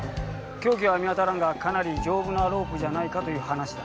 凶器は見当たらんがかなり丈夫なロープじゃないかという話だ。